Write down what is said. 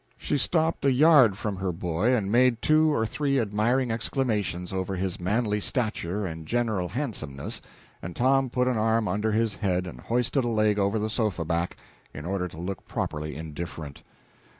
She stopped a yard from her boy and made two or three admiring exclamations over his manly stature and general handsomeness, and Tom put an arm under his head and hoisted a leg over the sofa back in order to look properly indifferent.